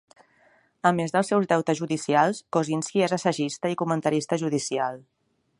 A més dels seus deutes judicials, Kozinski és assagista i comentarista judicial.